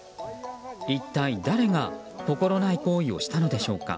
一体誰が心ない行為をしたのでしょうか。